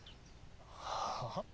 はあ？